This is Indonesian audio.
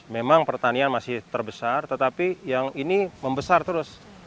memang pertanian masih terbesar tetapi yang ini membesar terus